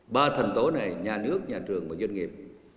ba thành tố này nhà nước nhà trường và doanh nghiệp